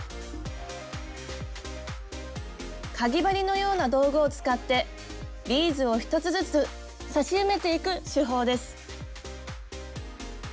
かぎ針のような道具を使ってビーズを１つずつ刺し埋めていく手法です。